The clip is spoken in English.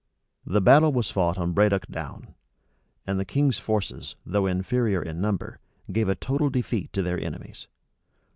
The battle was fought on Bradoc Down; and the king's forces, though inferior in number, gave a total defeat to their enemies.